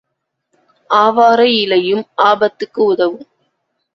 ஆவாரை இலையும் ஆபத்துக்கு உதவும்.